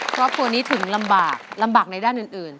ครอบครัวนี้ถึงลำบากลำบากในด้านอื่น